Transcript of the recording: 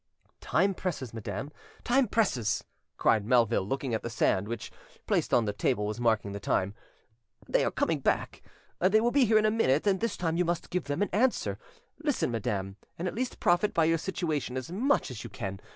"Time presses, madam; time presses," cried Melville, looking at the sand, which, placed on the table, was marking the time. "They are coming back, they will be here in a minute; and this time you must give them an answer. Listen, madam, and at least profit by your situation as much as you can.